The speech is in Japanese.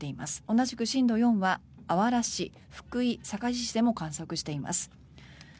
同じく震度４はあわら市などでも観測しています。